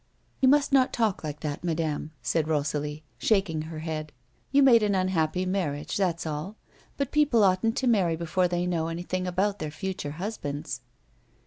" You must not talk like that, madame," said Rosalie, shaking her head. " You made an unhappy marriage, that's all. But people oughtn't to marry before they know any thing about their future husbands."